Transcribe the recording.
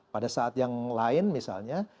pada saat yang lain misalnya